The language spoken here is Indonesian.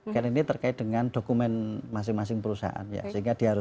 karena ini terkait dengan dokumen masing masing perusahaan ya